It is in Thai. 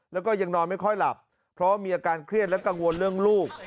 แล้วก็ยังนอนไม่ค่อยหลับเพราะมีอาการเครียดและกังวลเรื่องลูก